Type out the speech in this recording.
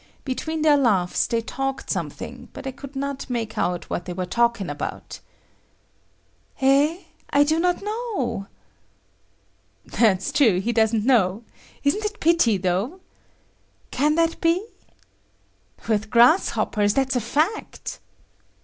Between their laughs they talked something, but I could not make out what they were talking about. "Eh? I don't know……" "…… That's true …… he doesn't know …… isn't it pity, though ……." "Can that be……." "With grasshoppers …… that's a fact."